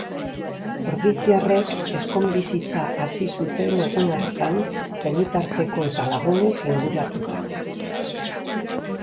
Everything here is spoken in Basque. Ordiziarrek ezkon-bizitza hasi zuten egun hartan senitarteko eta lagunez inguratuta.